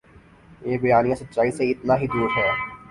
یہ بیانیہ سچائی سے اتنا ہی دور ہے۔